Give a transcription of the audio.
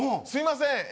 「すいません